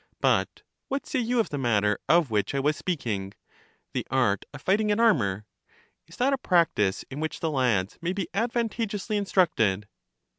But what say you of the matter of which I was speaking — the art of fighting in armor? Is that a practice in which the lads may be advantageously instructed